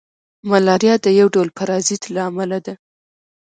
ملاریا د یو ډول پرازیت له امله ده